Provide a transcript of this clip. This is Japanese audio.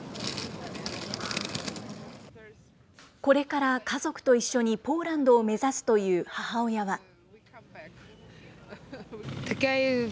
これから家族と一緒にポーランドを目指すという母親は。